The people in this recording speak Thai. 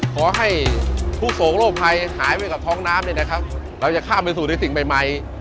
ขอให้ผู้ส่งโรคภัยหายไปกับท้องน้ำเนี่ยนะครับเราจะข้ามไปสู่ในสิ่งใหม่